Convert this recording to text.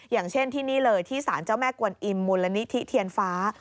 อย่างเช่นที่นี่เลยที่สารเจ้าแม่กวนอิมมูลนิธิเทียนฟ้า